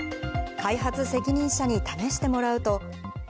開発責任者に試してもらうと。